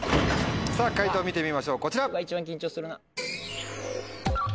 解答見てみましょうこちら。